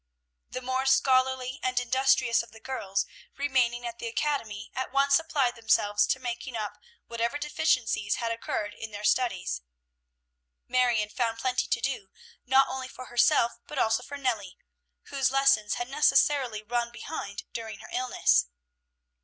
The more scholarly and industrious of the girls remaining at the academy at once applied themselves to making up whatever deficiencies had occurred in their studies. Marion found plenty to do, not only for herself, but also for Nellie, whose lessons had necessarily run behind during her illness.